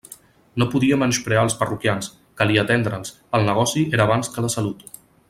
No podia menysprear els parroquians; calia atendre'ls; el negoci era abans que la salut.